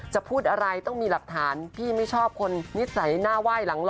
พูดอะไรต้องมีหลักฐานพี่ไม่ชอบคนนิสัยหน้าไหว้หลังล้อ